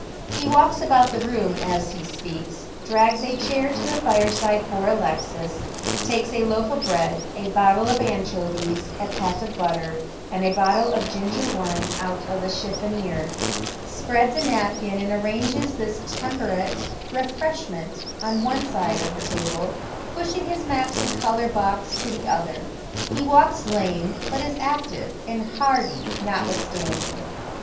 He walks about the room as he speaks, drags a chair to the fireside for Alexis, takes a loaf of bread, a bottle of anchovies, « pat of butter, and a bottle of ginger wine out of the chiffonier. 21 Dead Men's S7ioe»» spreads a napkin, and arranges this temperate refreshment on one side of the table, pushing his maps and colour box to tha other. He walks lame, but is active and hardy notwithstanding.